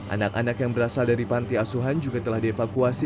anak anak yang berasal dari panti asuhan juga telah dievakuasi